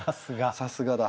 さすがだ。